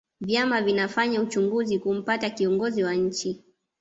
vyama vinafanya uchaguzi kumpata kiongozi wa nchi